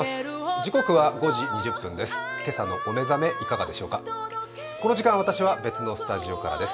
時刻は５時２０分です。